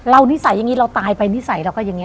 นิสัยอย่างนี้เราตายไปนิสัยเราก็อย่างนี้